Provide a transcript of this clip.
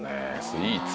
スイーツ